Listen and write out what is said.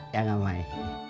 ya gak mai